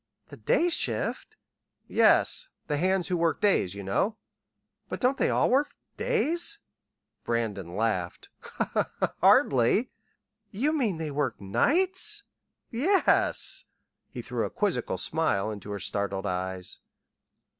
"The day shift?" "Yes; the hands who work days, you know." "But don't they all work days?" Brandon laughed. "Hardly!" "You mean, they work nights?" "Yes." He threw a quizzical smile into her startled eyes.